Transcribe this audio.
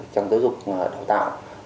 trong giáo dục đào tạo